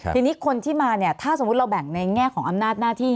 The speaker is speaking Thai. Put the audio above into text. ทีนี้คนที่มาเนี่ยถ้าสมมุติเราแบ่งในแง่ของอำนาจหน้าที่